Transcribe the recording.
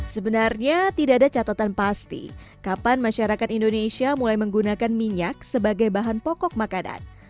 sebenarnya tidak ada catatan pasti kapan masyarakat indonesia mulai menggunakan minyak sebagai bahan pokok makanan